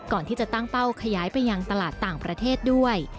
ก่อนที่จะตั้งเป้าขยายไปยังตลาดต่างประเทศด้วย